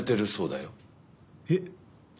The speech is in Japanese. えっ？